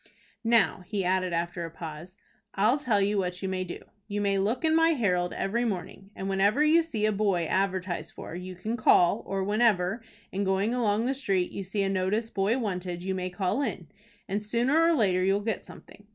"Now," he added, after a pause, "I'll tell you what you may do. You may look in my 'Herald' every morning, and whenever you see a boy advertised for you can call, or whenever, in going along the street, you see a notice 'Boy wanted,' you may call in, and sooner or later you'll get something.